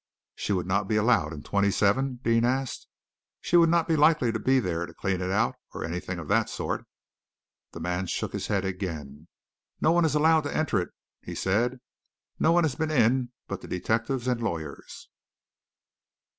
"She would not be allowed in 27?" Deane asked. "She would not be likely to be there to clean it out, or anything of that sort?"' The man shook his head again. "No one is allowed to enter it," he said. "No one has been in but the detectives and lawyers."